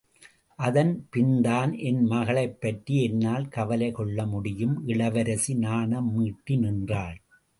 அதன் பின்தான் என் மகளைப் பற்றி என்னால் கவலை கொள்ள முடியும்!... இளவரசி நாணம் மீட்டி நின்றாள்.